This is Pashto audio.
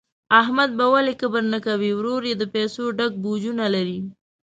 احمد به ولي کبر نه کوي، ورور یې د پیسو ډک بوجونه لري.